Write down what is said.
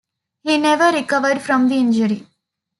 He never recovered from the injury.